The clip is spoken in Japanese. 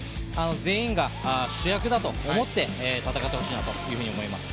全員が主役だと思って戦ってもらいたいと思います。